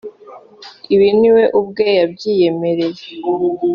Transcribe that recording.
Ibi ni we ubwe wabyiyemereye